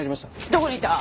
どこにいた？